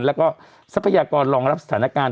แล้วก็ทรัพยากรรองรับสถานการณ์